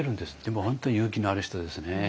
でも本当勇気のある人ですね。